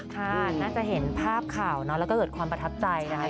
ค่ะน่าจะเห็นภาพข่าวเนอะแล้วก็เกิดความประทับใจนะคะ